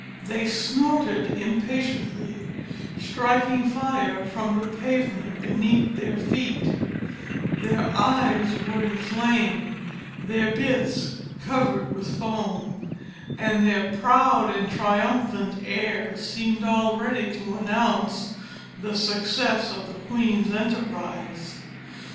They snorted impatiently, striking fire from the pavement beneath their feet; their eyes were inflamed; their bits covered with foam, and their proud and triumphant air seemed already to announce the success of the queen's enterprise.